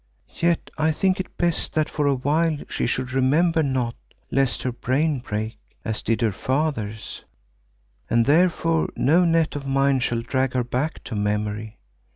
Yet I think it best that for a while she should remember naught, lest her brain break, as did her father's, and therefore no net of mine shall drag her back to memory.